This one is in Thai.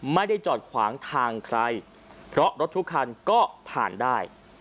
ไม่ได้จอดขวางทางใครเพราะรถทุกคันก็ผ่านได้